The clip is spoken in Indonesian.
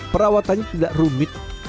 perawatannya tidak rumit